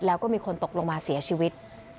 แล้วก็มีคนตกลงมาเสียชีวิต